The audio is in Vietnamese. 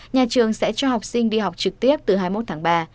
nhà trường sẽ cho học sinh đi học trực tiếp từ hai mươi một tháng ba